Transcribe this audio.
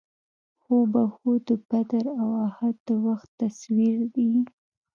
هو بهو د بدر او اُحد د وخت تصویر یې.